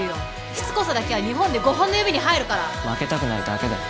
しつこさだけは日本で５本の指に入るから負けたくないだけだよ